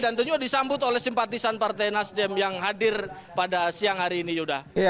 dan tentunya disambut oleh simpatisan partai nasdem yang hadir pada siang hari ini yudha